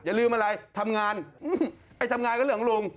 อย่าลืมอะไรทำงานไอ้ทำงานก็เหลือของลุง